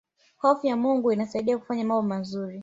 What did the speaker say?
hofu ya mungu inasaidia kufanya mambo mazuri